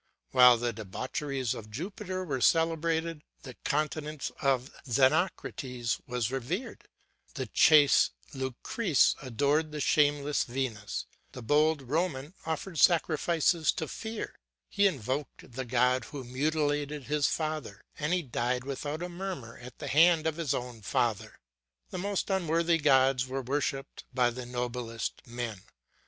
While the debaucheries of Jupiter were celebrated, the continence of Xenocrates was revered; the chaste Lucrece adored the shameless Venus; the bold Roman offered sacrifices to Fear; he invoked the god who mutilated his father, and he died without a murmur at the hand of his own father. The most unworthy gods were worshipped by the noblest men.